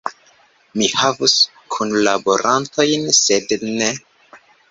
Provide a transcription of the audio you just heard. Mi havus kunlaborantojn, sed ne.